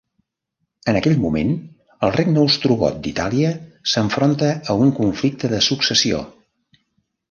En aquell moment, el Regne ostrogot d'Itàlia s'enfronta a un conflicte de successió.